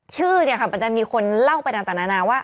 ชื่อเนี่ยค่ะมันจะมีคนเล่าไปต่างนานาว่า